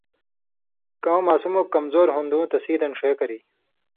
کؤں ماسُم اوک کمزُور ہُوݩدُوں تسیں دن ݜے کری